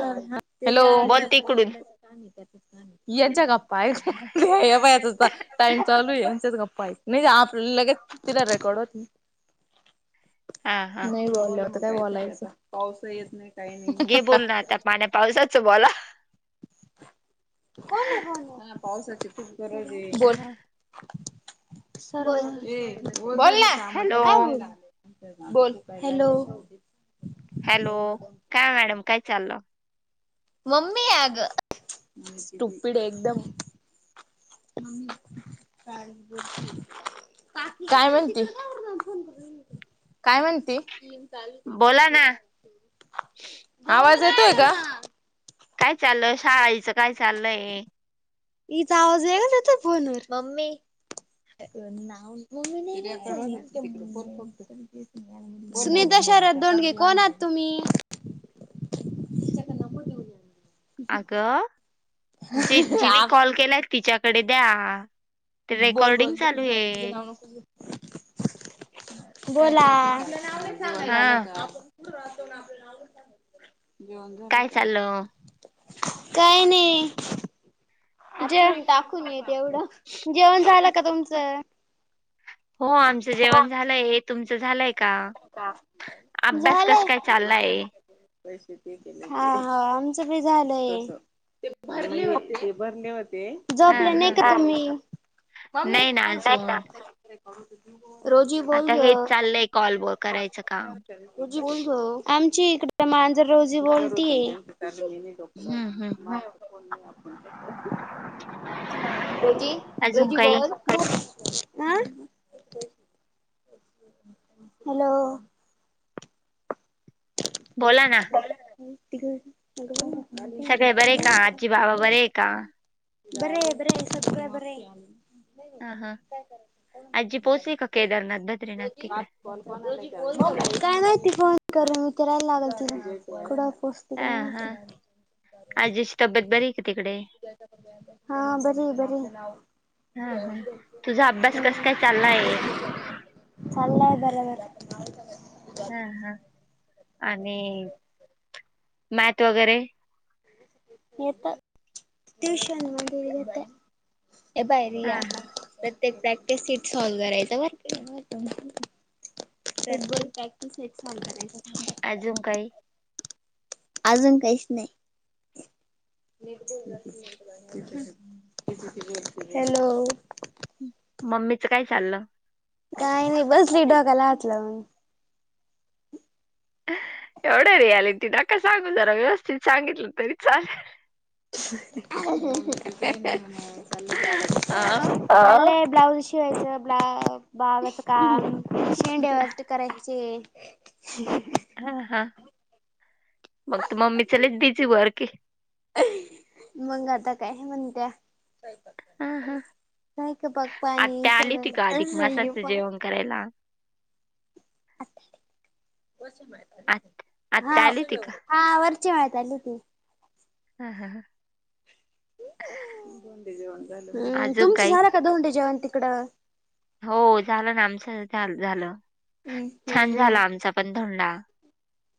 हं हा हॅलो. बोल तिकडून यांच्या गप्पा ऐकून घेऊ. या बाया नुसता - टाइम चालू आहे. यांच्याच गप्पा ऐकू. नाही आपल्या लगेच तिथ रेकॉर्ड होतय. हा हा लई बोललो. आता काय बोलायचं? पाऊसही येत नाही. काही नाही. घे बोलून आता. पाण्यापावसाच बोला. कोण आहे फोनवर? पावसाची खूप गरज हे. बोल. बोल ना. हॅलो काय बोलू? बोल. हॅलो. हॅलो. काय मॅडम काय चाललं? मम्मीए अग. स्टुपिडए एकदम. का काय म्हणते? काय म्हणती? बोला ना [inaudible] आवाज येतोय का? काय चाललय? शाळेचं काय चाललय? इचा आवाज येत होता फोनवर. मम्मी. बरं नाव [inaudible] सुनीता शरद दोडगे कोण आहात तुम्ही? अगं, ज जिने कॉल केलाय तिच्याकडे द्या. ते बोल बोल. रेकॉर्डिंग बर चालू बोल तुझं आहे नाव नको घेऊ. बोला. आपलं नाव नाही सांगायच. [inaudible] झालं हा का? जेवण झालं काय का? चाललं काय नाही. जेवण टाकून येत एवढं. जेवण झालं का तुमचं? हो आमचं जेवण झालंय. तुमचं झालंय का? का? अभ्यास कस काय झालंय. हा चाललाय हा. आमचं बी झालंय. ते भरले होते. ते भरले होते. हा झोपले नाही हा का तुम्ही? ममी नाही ना अजून आता हेच चाललंय कॉल वर्क. [unintelligible] आमची इकडे मांजर रोजी बोलतिये. [inaudible] हम्म हम्म रोजी, अजून रोजी काही बोल. हं? हॅलो. बोला ना. [unintelligible] गरम होत मले. सगळे बरे का? आजी बाबा बरेय का? बरेय बरेय. सगळ बरेय. हा हा. आज्जी पोहोचली का? केदारनाथ बद्रीनाथ तिकडे. काय माहिती फोन करून विचारावं लागेल तिला. कुडय हा ते हा [unintelligible] आजीची तब्येत बरए का तिकडे? हा बरी बरी हा हा. तुझा अभ्यास कस हम्म काय चाललाय? चाललाय बराबर. हां हां आणि मॅथ वगैरें येतं ट्युशनं वगैरें बाई यां बाहेरे हा यां हा प्रत्येक प्रॅक्टिस सीट सॉल्व करायचं [unintelligible] [unintelligible] अजूंन कांहीं अजूंन काहींचं नाहीं हॅलो मम्मीच कायं चाललं कायं नाहीं बसली डोक्यांला हांत लावूंन एवढं रियालिटी नकां सांगू जरां व्यवस्थित सांगितलं तरी चालेल [unintelligible] [unintelligible] हां आं ब्लाऊज शिवायचं ब्ला बागांच कां शेंड्यांवरती करायंचे हां हां मंग तू मम्मीची बरं की बारके मंग आता कायं म्हणत्या हा हा कायं ते पकवांने सिलतरं करेला आ आत्या हांव आली होती का हां वर्ची माहीत आहे हां हां अजून तुमचं काही झालं कां दोंडे जेवणं तिकडं हो झालं नां आमचं झालं हम्म छान हम्म. झालं आमचां पणं धोंडा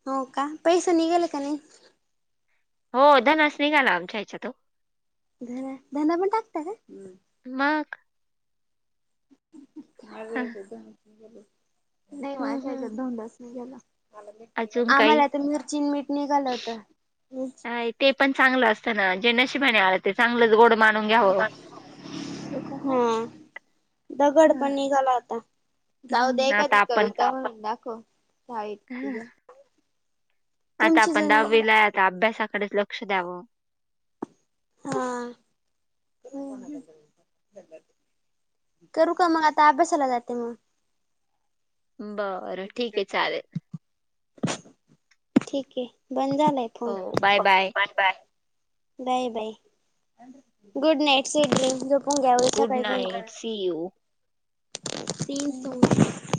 हो कां पैस निघाले की नाहीं हो धनास निघाला आमच्यां ह्यांच्या तो ध धना पणं टाकतां कायं मंग [unintelligible] [unintelligible] हं, अजून काही आम्हांला तरं मिर्ची नं मीठ निघालं होतं नाही ते पणं चांगलं असतं नां जे नशिबाने आलं ते चांगलंच गोड मांन हम्मं दगड पणं निघाला होता जाऊं दे हम्म आता एखादी आपण कविता म्हणूंन दाखव हांय हं, आता आपणं दहावी लां आता अभ्यासांकडेच लक्ष द्यावं हा हम् [unintelligible] करूं कां मंग आता अभ्यासांला जाते मंग मी बरं ठीक आहे चालेल ठीक आहे बंद झालायं phone bye bye bye bye good night sweet dream पणं घ्यांवचा गुड कांहीं पणं नाईट सी यू की तीनं